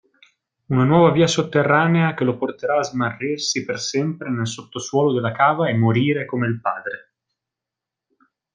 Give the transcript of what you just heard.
Una nuova via sotterranea che lo porterà a smarrirsi per sempre nel sottosuolo della cava e morire come il padre.